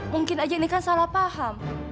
mungkin aja ini kan salah paham